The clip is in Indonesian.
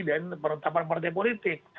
dan penetapan partai politik